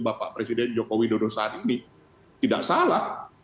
bapak presiden jokowi dodo saat ini tidak salah